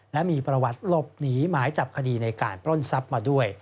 และมีประวัติหลบหนีหมายจับคดีในการปล้นทรัพย์มาด้วย